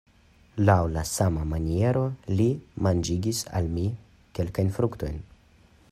Laŭ la sama maniero li manĝigis al mi kelkajn fruktojn.